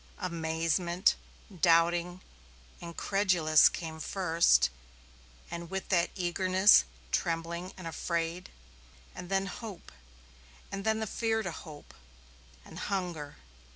Amazement, doubting, incredulous came first, and with that eagerness, trembling and afraid. And then hope and then the fear to hope. And hunger.